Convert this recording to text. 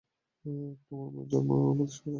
তোমার মায়ের জন্ম আমাদের শহরে।